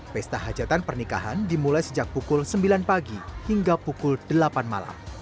pesta hajatan pernikahan dimulai sejak pukul sembilan pagi hingga pukul delapan malam